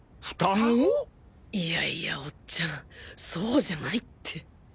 いやいやおっちゃんそうじゃないって！